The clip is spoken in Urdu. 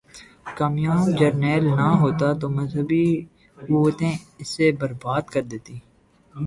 کامیاب جرنیل نہ ہوتا تو مذہبی قوتیں اسے برباد کر دیتیں۔